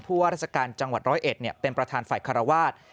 เพราะว่ารัศกาลจังหวัด๑๐๑เป็นประธานฝ่ายคาราวาต